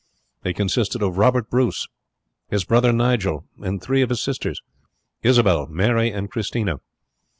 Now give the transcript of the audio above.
They consisted of Robert Bruce, his brother Nigel, and three of his sisters Isabel, Mary, and Christina.